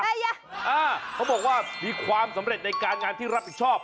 เอ๊ยยยยยยยยยยยยเขาบอกว่ามีความสำเร็จในการงานที่รับผิดชอบ